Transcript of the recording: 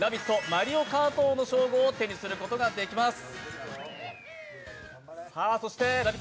マリオカート王の称号を手にすることができます。